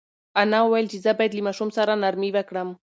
انا وویل چې زه باید له ماشوم سره نرمي وکړم.